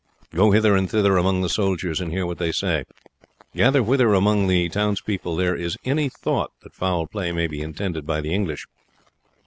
Go hither and thither among the soldiers and hear what they say. Gather whether among the townspeople there is any thought that foul play may be intended by the English.